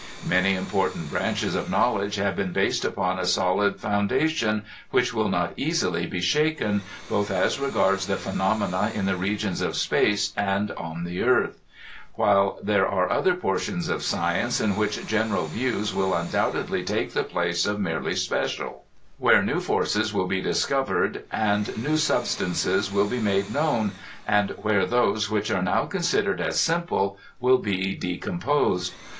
Many important branches of knowledge have been based upon a solid foundation which will not easily be shaken, both as re gards the phenomena in the regions of space and on the earth ; while there are other portions of science in which general views will undoubtedly take the place t)f merely specif; where new forces will be discovered and new substances will be made known, and where those which are now considered as simple wDl be decomposed.